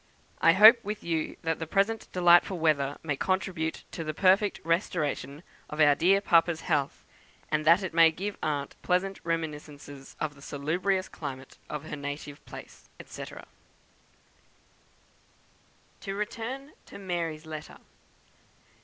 I hope with you that the present delightful weather may contribute to the perfect restoration of our dear papa's health; and that it may give aunt pleasant reminiscences of the salubrious climate of her native place," &c. To return to "Mary's" letter.